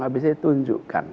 habis itu saya tunjukkan